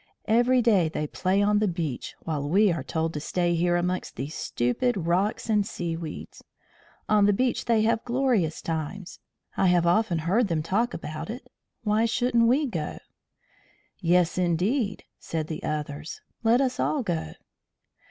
"Every day they play on the beach, while we are told to stay here amongst these stupid rocks and seaweeds. On the beach they have glorious times. I have often heard them talk about it. Why shouldn't we go?" "Yes, indeed," said the others. "Let us all go."